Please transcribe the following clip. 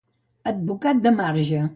Advocat de marge.